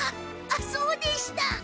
あっそうでした。